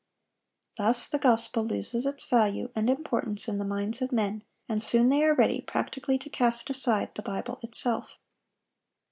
Thus the gospel loses its value and importance in the minds of men, and soon they are ready practically to cast aside the Bible itself.